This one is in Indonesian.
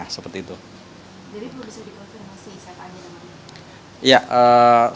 jadi belum bisa dikonfirmasi saat ini